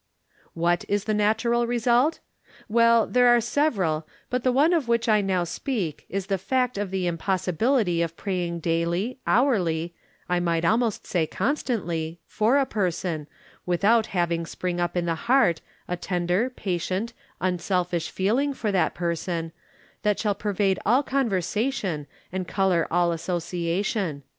What is the natural result ? Well, there are several, but the one of which I now speak is the fact of the impossibility of praying daily, hourly — I might almost say constantly — ^for a person, without having spring up in the heart a tender, patient, unselfish feeling for that person, that shall pervade all conversation, and color all as sociation.